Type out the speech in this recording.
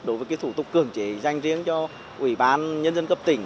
đối với cái thủ tục cưỡng chế danh riêng cho ủy ban nhân dân cấp tỉnh